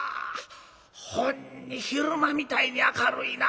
ほんに昼間みたいに明るいな。